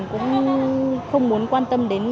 cũng không muốn quan tâm đến